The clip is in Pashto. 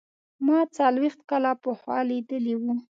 ما څلوېښت کاله پخوا لیدلی و.